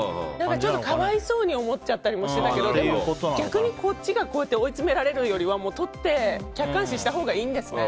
ちょっと可哀想に思っちゃったりもしてたけどでも、逆にこっちが追いつめられるよりは撮って客観視したほうがいいんですね。